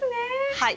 はい。